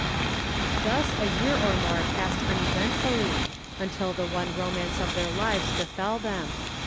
Thus a year or more passed uneventfully, until the one romance of their lives befell them.